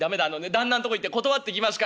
旦那んとこ行って断ってきますから」。